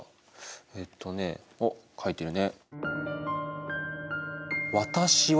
えっとねあっ書いてるね。